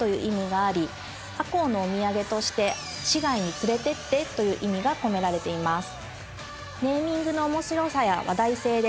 赤穂のお土産として市外に連れてってという意味が込められています。